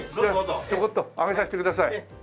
ちょこっと上げさせてください。